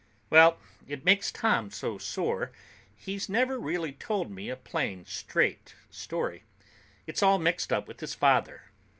"Well, it makes Tom so sore, he's never really told me a plain, straight story. It's all mixed up with his father.